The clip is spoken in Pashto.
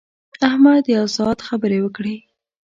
احمد یو ساعت خبرې وکړې.